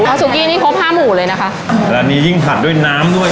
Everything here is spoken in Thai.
สุกี้นี่ครบห้าหมู่เลยนะคะแล้วอันนี้ยิ่งผัดด้วยน้ำด้วย